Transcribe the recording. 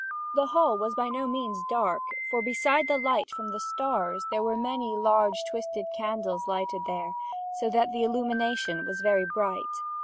The hall was by no means dark; for beside the light from the stars, there were many large twisted candles lighted there, so that the illumination was very bright.